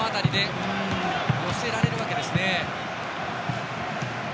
寄せられるわけですね。